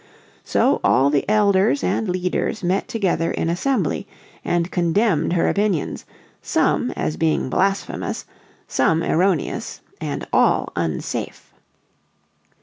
So all the elders and leaders met together in assembly, and condemned her opinions, some as being "blasphemous, some erroneous, and all unsafe."